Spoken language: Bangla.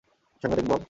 সাংঘাতিক, বব।